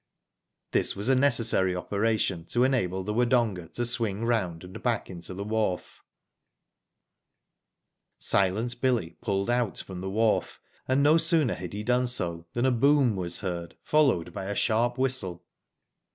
Digitized byGoogk A MYSTERY, 15 This was a necessary opv ration to enable the Wodonga to swing round and back into the wharf. Silent Billy pulled out from the wharf, and no sooner had he done so than a boom was heard, followed by a sharp whistle.